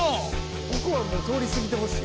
ここはもう通り過ぎてほしい。